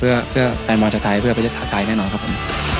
เพื่อเพื่อแฟนมันจากไทยเพื่อประเทศไทยแน่นอนครับผม